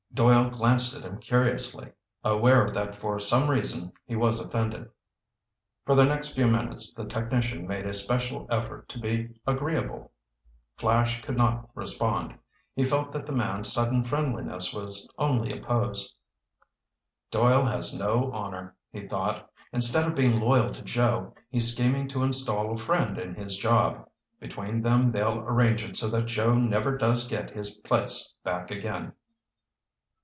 Doyle glanced at him curiously, aware that for some reason he was offended. For the next few minutes the technician made a special effort to be agreeable. Flash could not respond. He felt that the man's sudden friendliness was only a pose. "Doyle has no honor," he thought. "Instead of being loyal to Joe, he's scheming to install a friend in his job. Between them they'll arrange it so that Joe never does get his place back again."